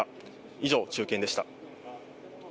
以上、中継でした。